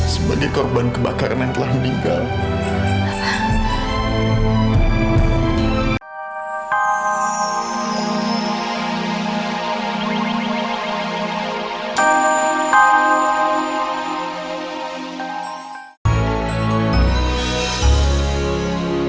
sebagai korban kebakaran yang telah meninggal